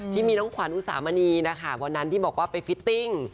ที่มีน้องขวัญอุสามณีนะคะวันนั้นที่บอกว่าไปฟิตติ้ง